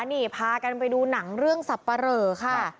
นี่พากันไปดูหนังเรื่องสับปะเหลอค่ะ